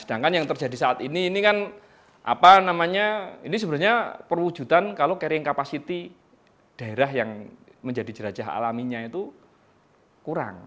sedangkan yang terjadi saat ini ini kan apa namanya ini sebenarnya perwujudan kalau carrying capacity daerah yang menjadi jerajah alaminya itu kurang